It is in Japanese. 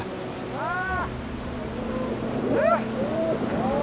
ああ！